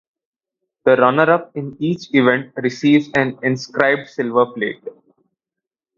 The runner-up in each event receives an inscribed silver plate.